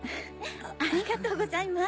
ありがとうございます。